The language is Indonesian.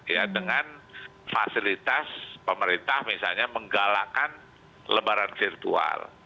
ya dengan fasilitas pemerintah misalnya menggalakkan lebaran virtual